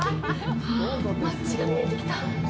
あっ、街が見えてきた。